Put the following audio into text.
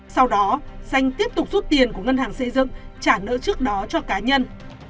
sau đó xanh tiếp tục rút tiền của ngân hàng xây dựng trả nợ trước đó cho cá nhân